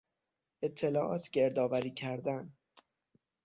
اطلاعات گردآوری کردن